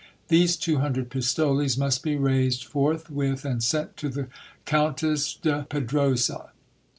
These two, hundred pistoles must be raised forthwith and sent to the Countess de Pedrosa!